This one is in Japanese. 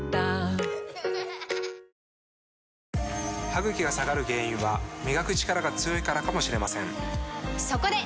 歯ぐきが下がる原因は磨くチカラが強いからかもしれませんそこで！